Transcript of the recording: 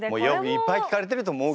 いっぱい聞かれてると思うけど。